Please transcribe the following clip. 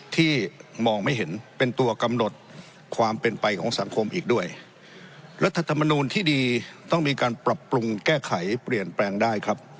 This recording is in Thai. ที่มองไม่เห็นเป็นตัวกำหนดความเป็นไปของสังคมอีกด้วยรัฐธรรมนูลที่ดีต้องมีการปรับปรุงแก้ไขเปลี่ยนแปลงได้ครับ